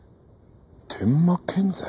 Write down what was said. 「天馬建材」？